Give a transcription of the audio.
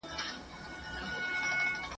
د احکامو د پلي کېدو